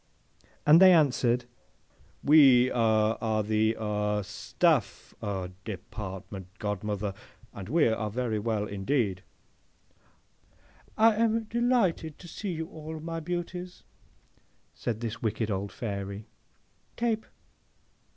And they answered, 'We aw are the aw Staff aw Department, godmother, and we are very well indeed.'—'I am delighted to see you all, my beauties,' says this wicked old Fairy, '—Tape!